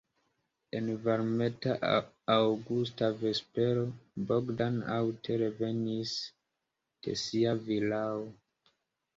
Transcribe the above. En varmeta aŭgusta vespero Bogdan aŭte revenis de sia vilao.